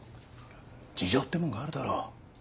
事情ってもんがあるだろ。